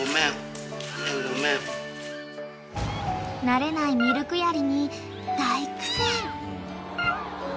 ［慣れないミルクやりに］